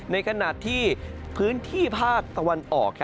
ในขณะที่พื้นที่ภาคตะวันออก